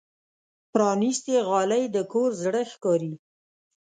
پرانستې غالۍ د کور زړه ښکاري.